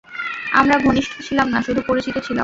আমরা ঘনিষ্ঠ ছিলাম না, শুধু পরিচিত ছিলাম।